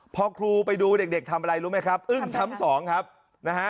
พอครูไปดูเด็กเด็กทำอะไรรู้ไหมครับอึ้งซ้ำสองครับนะฮะ